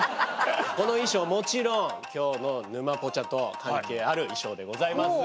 この衣装もちろん今日の「ぬまポチャ」と関係ある衣装でございます。